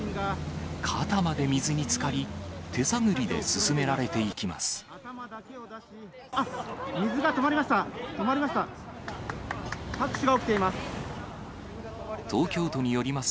肩まで水につかり、手探りで進められていきます。